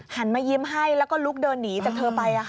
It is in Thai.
หันมายิ้มให้แล้วก็ลุกเดินหนีจากเธอไป